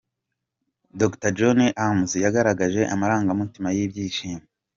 Dr John Armes, yagaragaje amarangamutima y’ibyishimo.